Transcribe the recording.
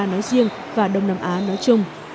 đông nam á nói riêng và đông nam á nói chung